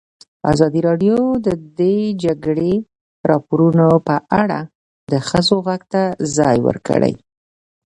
ازادي راډیو د د جګړې راپورونه په اړه د ښځو غږ ته ځای ورکړی.